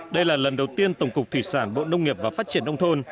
đây là lần đầu tiên tổng cục thủy sản bộ nông nghiệp và phát triển nông thôn